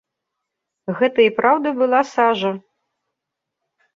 Гэта і праўда была сажа.